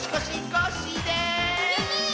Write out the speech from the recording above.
コッシー！